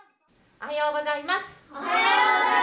おはようございます。